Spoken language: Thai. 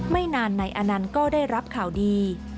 ไม่นานนายอนันต์ก็ได้รับข่าวดี